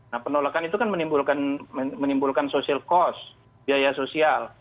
nah penolakan itu kan menimbulkan social cost biaya sosial